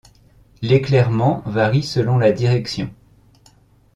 L'éclairement varie selon la direction.